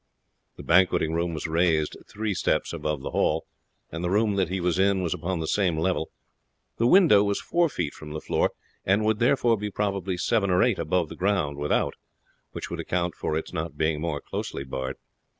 The banqueting room was raised three steps above the hall, and the room that he was in was upon the same level; the window was four feet from the floor, and would therefore be probably seven or eight above the ground without, which would account for its not being more closely barred.